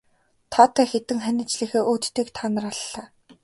Тоотой хэдэн хань ижлийнхээ өөдтэйг та нар аллаа.